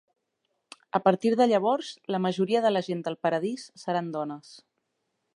A partir de llavors, la majoria de la gent del Paradís seran dones.